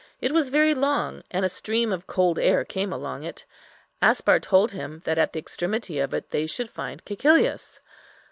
It was very long, and a stream of cold air came along it. Aspar told him that at the extremity of it they should find Cæcilius.